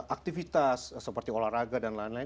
aktivitas seperti olahraga dan lain lain